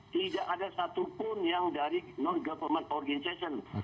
tidak ada satupun yang dari non government organization